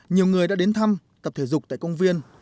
nhiều người đã đến thăm tập thể dục tại công viên